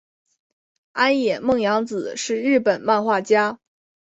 安野梦洋子是日本漫画家。